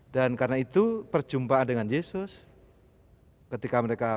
dan karena itu perjumpaan dengan yesus ketika mereka mencari